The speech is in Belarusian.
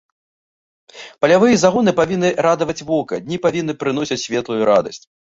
Палявыя загоны павінны радаваць вока, дні павінны прыносіць светлую радасць.